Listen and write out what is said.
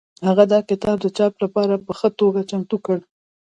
هغه دا کتاب د چاپ لپاره په ښه توګه چمتو کړ.